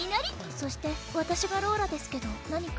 そしてわたしがローラですけど何か？